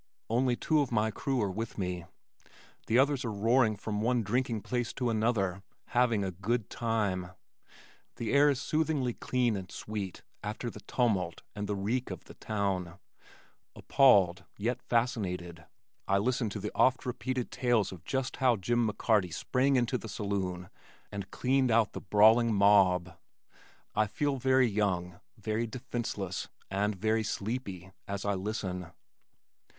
Only two of my crew are with me. The others are roaring from one drinking place to another, having a "good time." The air is soothingly clean and sweet after the tumult and the reek of the town. Appalled, yet fascinated, I listen to the oft repeated tales of just how Jim McCarty sprang into the saloon and cleaned out the brawling mob. I feel very young, very defenceless, and very sleepy as I listen.